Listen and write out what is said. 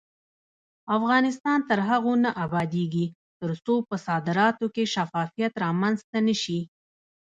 افغانستان تر هغو نه ابادیږي، ترڅو په صادراتو کې شفافیت رامنځته نشي.